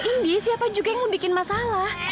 ini siapa juga yang mau bikin masalah